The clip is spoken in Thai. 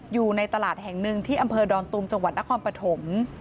อยู่ในตลาดแห่งหนึ่งที่อำเภอดอนตุมจังหวัดนครปฐม